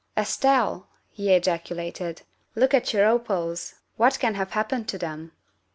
"Estelle," he ejaculated, "look at your opals! .What can have happened to them